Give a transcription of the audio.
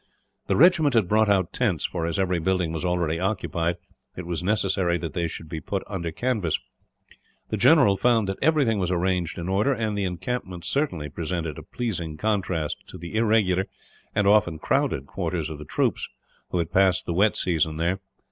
This regiment had brought out tents for, as every building was already occupied, it was necessary that they should be put under canvas. The general found that everything was arranged in order, and the encampment certainly presented a pleasing contrast to the irregular, and often crowded quarters of the troops who had passed the wet season there.